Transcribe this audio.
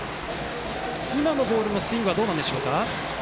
今のボールのスイングはどうですか？